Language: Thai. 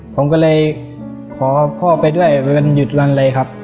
ผมก็เลยขอพ่อไปด้วยวันหยุดวันเลยครับ